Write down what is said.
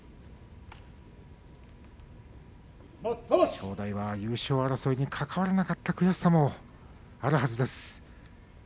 正代は優勝争いにかかわれなかった悔しさもあるはずです。